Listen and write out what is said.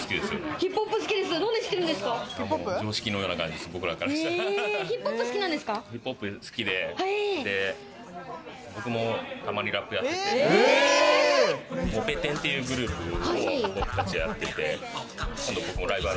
ヒップホップ好きで、僕もたまにラップやってて、モペ天っていうグループを僕たちやってて。